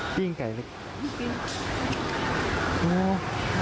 ปิ้งไก่ดีปิ้งดี